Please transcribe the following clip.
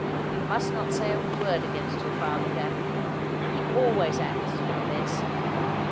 You must not say a word against your father, Daphne. He always acts for the best.'